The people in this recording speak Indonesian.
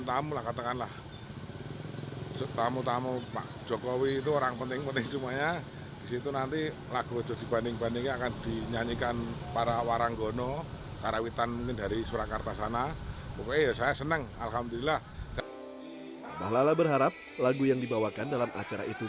mlakarta berharap lagu yang dibawakan dalam acara itu